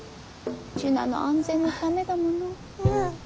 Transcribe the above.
樹奈の安全のためだもの。